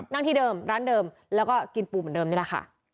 ที่เดิมร้านเดิมแล้วก็กินปูเหมือนเดิมนี่แหละค่ะ